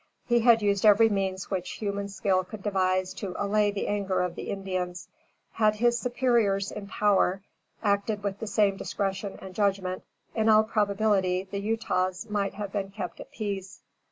He had used every means which human skill could devise to allay the anger of the Indians. Had his superiors in power acted with the same discretion and judgment, in all probability the Utahs might have been kept at peace.